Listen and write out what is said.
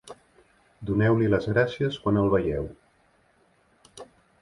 Doneu-li les gràcies quan el veieu.